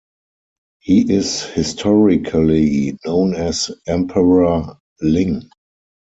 He is historically known as Emperor Ling.